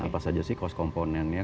apa saja sih cost komponennya